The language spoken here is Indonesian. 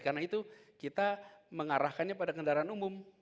karena itu kita mengarahkannya pada kendaraan umum